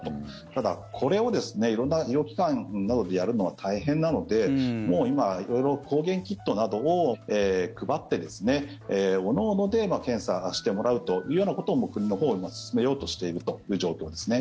ただ、これを色んな医療機関などでやるのは大変なのでもう今、色々抗原キットなどを配っておのおので検査してもらうというようなことをもう国のほうで今、進めようとしている状況ですね。